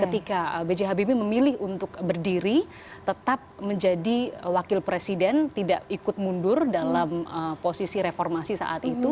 ketika b j habibie memilih untuk berdiri tetap menjadi wakil presiden tidak ikut mundur dalam posisi reformasi saat itu